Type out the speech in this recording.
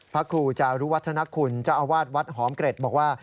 พระคู่จารุวัฒนคุณจอวหอมเกร็ดบอกว่า